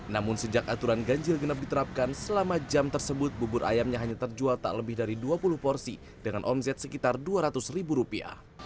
namun sejak aturan ganjil genap diterapkan selama jam tersebut bubur ayamnya hanya terjual tak lebih dari dua puluh porsi dengan omset sekitar dua ratus ribu rupiah